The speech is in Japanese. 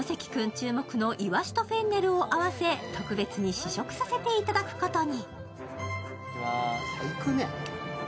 注目のいわしとフェンネルを合わせ特別に試食させていただくことに。